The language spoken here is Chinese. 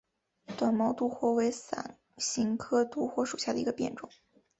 短毛独活为伞形科独活属下的一个变种。